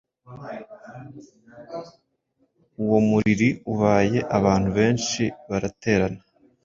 Uwo muriri ubaye, abantu benshi baraterana,